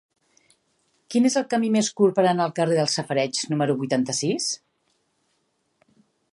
Quin és el camí més curt per anar al carrer dels Safareigs número vuitanta-sis?